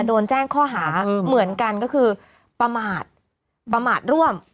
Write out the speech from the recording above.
โดนแจ้งข้อหาเหมือนกันก็คือประมาทประมาทร่วม